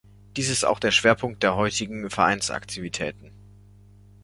Dies ist auch der Schwerpunkt der heutigen Vereinsaktivitäten.